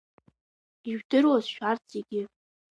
Ижәдыруаз шәарҭ зегьы!